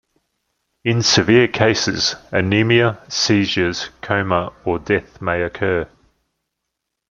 In severe cases anemia, seizures, coma, or death may occur.